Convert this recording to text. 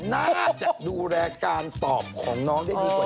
น่าจะดูแลการตอบของน้องได้ดีกว่า